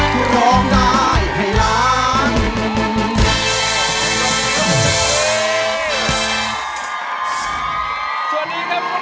หรอกได้ไข่ล้าง